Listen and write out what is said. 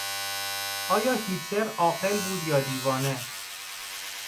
آیا هیتلر عاقل بود یا دیوانه؟